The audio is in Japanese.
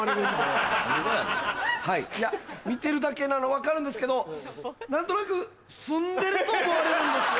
いや見てるだけなの分かるんですけど何となく住んでると思われるんですよ。